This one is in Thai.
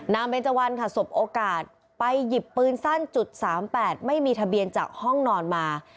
เบนเจวันค่ะสบโอกาสไปหยิบปืนสั้น๓๘ไม่มีทะเบียนจากห้องนอนมา